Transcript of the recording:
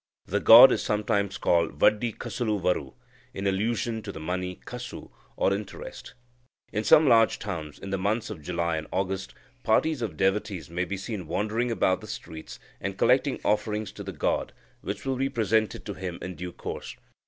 The god is sometimes called Vaddi Kasulu Varu, in allusion to the money (kasu) or interest. In some large towns, in the months of July and August, parties of devotees may be seen wandering about the streets, and collecting offerings to the god, which will be presented to him in due course.